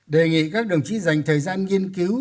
đề nghị các đồng chí dành thời gian nghiên cứu